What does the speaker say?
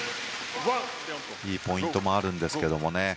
いいポイントもあるんですけどね。